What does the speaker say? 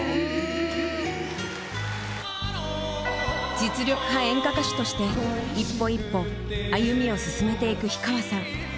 実力派演歌歌手として一歩一歩歩みを進めていく氷川さん。